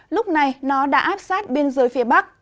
lúc này nó đã áp sát biên giới phía bắc